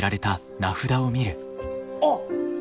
あっ。